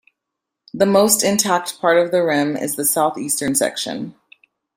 The most intact part of the rim is the southeastern section.